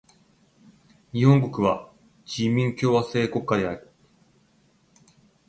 日本国は人民共和制国家である。